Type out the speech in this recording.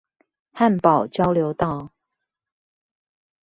漢寶交流道